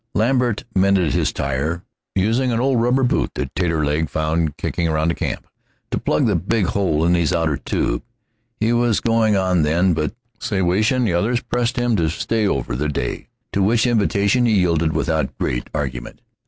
Lambert mended his tire, using an old rubber boot that Taterleg found kicking around camp to plug the big holes in his outer tube. He was for going on then, but Siwash and the others pressed him to stay over the day, to which invitation he yielded without great argument.